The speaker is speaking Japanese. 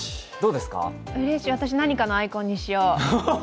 うれしい、私、何かのアイコンにしよう。